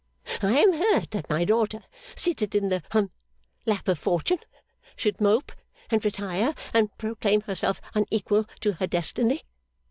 I am hurt that my daughter, seated in the hum lap of fortune, should mope and retire and proclaim herself unequal to her destiny.